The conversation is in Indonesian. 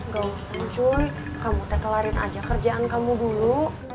gak usah cun kamu tekelarin aja kerjaan kamu dulu